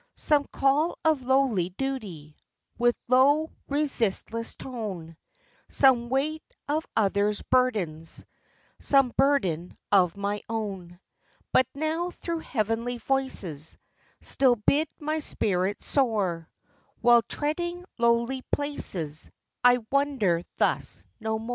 Some call of lowly duty, With low, resistless tone ; Some weight of others' burdens, Some burden of my own ; But now, though heavenly voices Still bid my spirit soar, While treading lowly places, I wonder thus, no more.